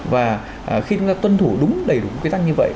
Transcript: và khi chúng ta tuân thủ đúng đầy đủ quy tắc như vậy